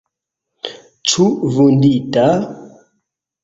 Ĉu vundita?